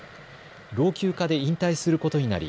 老朽化で引退することになり